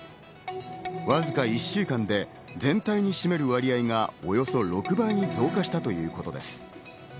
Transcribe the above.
わずか１週間で全体に占める割合がおよそ６倍に増加したということです。